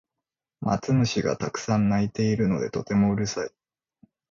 マツムシがたくさん鳴いているのでとてもうるさい